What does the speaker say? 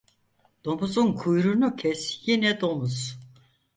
Domuzun kuyruğunu kes yine domuz.